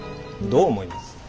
どう思います？